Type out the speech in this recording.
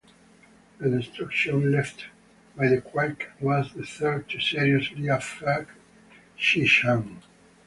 The destruction left by the quake was the third to seriously affect Xichang.